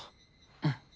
うん。